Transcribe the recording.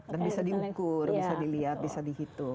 dan bisa diukur bisa dilihat bisa dihitung